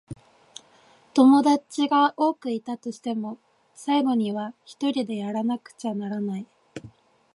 友達が多くいたとしても、最後にはひとりでやらなくちゃならない。